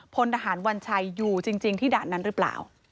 พลทหารวัญชัยอยู่จริงที่ด่านนั้นหรือเปล่า